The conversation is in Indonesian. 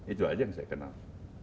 itu aja yang saya kenal